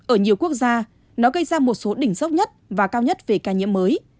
ở nhiều quốc gia nó gây ra một số đỉnh dốc nhất và cao nhất về ca nhiễm mới